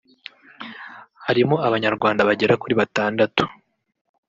harimo Abanyarwanda bagera kuri batandatu